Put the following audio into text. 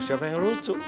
siapa yang lucu